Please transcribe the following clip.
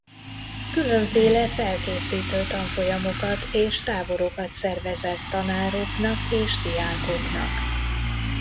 Különféle felkészítő tanfolyamokat és táborokat szervezett tanároknak és diákoknak.